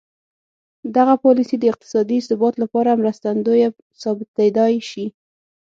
دغه پالیسي د اقتصادي ثبات لپاره مرستندویه ثابتېدای شي.